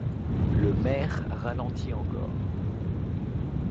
Le maire ralentit encore.